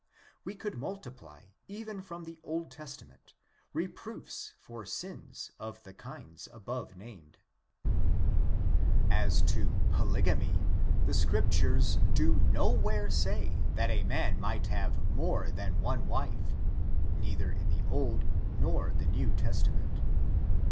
We could multiply, even from the Old Testament, reproofs for sins of the kinds above named. As to polygamy, the Scriptures do no where say that a man might have more than one wife, neither in the Old nor the New Testament.